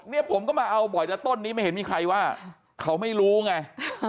เนี่ยผมก็มาเอาบ่อยแต่ต้นนี้ไม่เห็นมีใครว่าเขาไม่รู้ไง